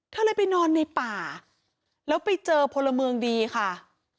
เธอเลยไปนอนในป่าแล้วไปเจอพลเมืองดีค่ะ